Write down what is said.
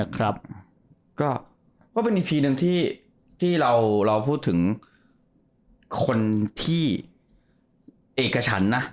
ก็เป็นอีพีนึงที่เราพูดถึงคนเอกชัน